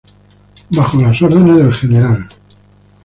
Bajo las órdenes del Gral.